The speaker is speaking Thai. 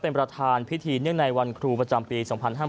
เป็นประธานพิธีเนื่องในวันครูประจำปี๒๕๕๙